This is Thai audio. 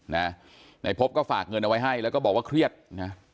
นายพบก็ฝากเงินเอาไว้ให้แล้วก็บอกว่าเครียดนะ